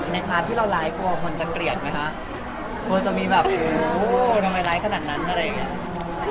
ในภาพที่เราร้ายกลัวคนจะเกลียดไหมคะกลัวจะมีแบบโอ้โหทำไมร้ายขนาดนั้นอะไรอย่างเงี้ย